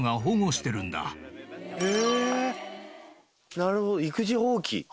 なるほど育児放棄。